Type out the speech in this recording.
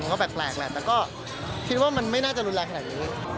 ก็แปลกแหละแต่ก็คิดว่ามันไม่น่าจะรุนแรงขนาดนี้